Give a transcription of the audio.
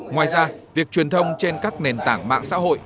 ngoài ra việc truyền thông trên các nền tảng mạng xã hội